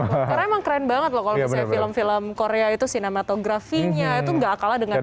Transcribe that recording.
karena memang keren banget loh kalau misalnya film film korea itu cinematografinya itu nggak kalah dengan parah